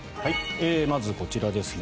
まず、こちらですね。